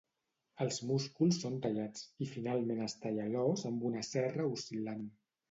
Els músculs són tallats, i finalment es talla l'os amb una serra oscil·lant.